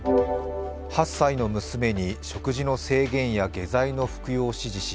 ８歳の娘に食事の制限や下剤の服用を指示し